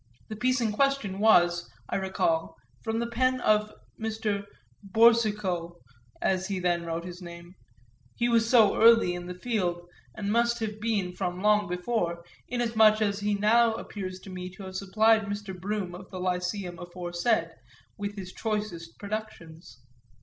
The piece in question was, I recall, from the pen of Mr. Bourcicault, as he then wrote his name he was so early in the field and must have been from long before, inasmuch as he now appears to me to have supplied Mr. Brougham, of the Lyceum aforesaid, with his choicest productions.